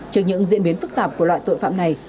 trước những diễn biến phức tạp của loại tội phạm này